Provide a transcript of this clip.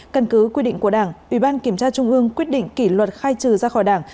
căn cứ quy định của đảng ủy ban kiểm tra trung ương quyết định kỷ luật khai trừ ra khỏi đảng